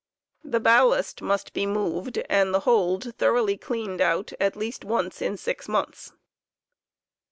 The ballast must be moved, and the hold thoroughly cleaned out at least Cleattto e once in six months.